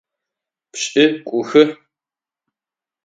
Пшӏыкӏухы.